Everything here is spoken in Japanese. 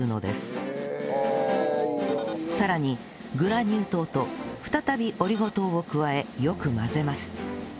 さらにグラニュー糖と再びオリゴ糖を加えよく混ぜます